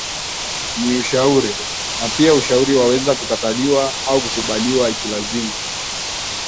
ni ushauri na pia ushauri waweza kukataliwa au kukubaliwa ikilazimu